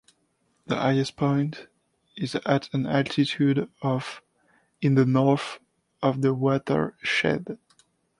The highest point is at an altitude of in the north of the watershed.